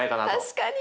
確かに。